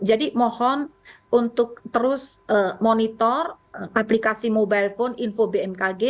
jadi mohon untuk terus monitor aplikasi mobile phone info bmkg